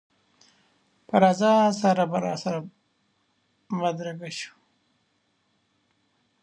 په رضا سره به راسره بدرګه شو.